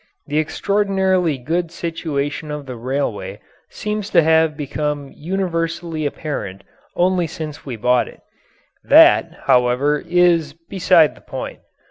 The extraordinarily good situation of the railway seems to have become universally apparent only since we bought it. That, however, is beside the point.